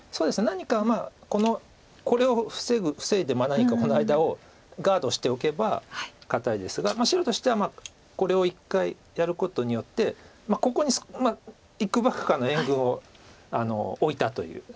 何かこれを防いで何かこの間をガードしておけば堅いですが白としてはこれを１回やることによってここにいくばくかの援軍を置いたという。